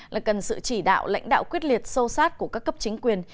là cần sự chỉ đạo lãnh đạo quyết liệt sâu sát của các cấp chính quyền